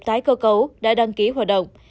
tái cơ cấu đã đăng ký hoạt động